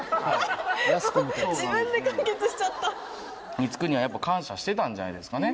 光圀はやっぱ感謝してたんじゃないですかね。